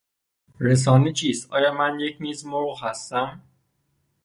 رسانه چیست؟ آیا من نیز یک مرغ هستم؟